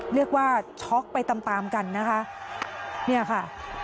เรียกว่าช็อกไปตามกันนะคะนี่ค่ะ